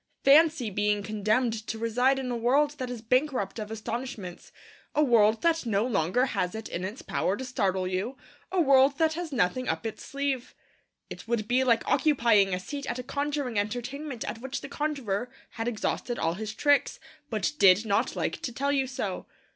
Fancy being condemned to reside in a world that is bankrupt of astonishments, a world that no longer has it in its power to startle you, a world that has nothing up its sleeve! It would be like occupying a seat at a conjuring entertainment at which the conjurer had exhausted all his tricks, but did not like to tell you so!